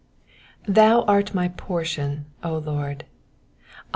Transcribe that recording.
Z^HOU art my portion, O Lord: I.